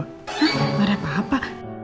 hah gak ada apa apa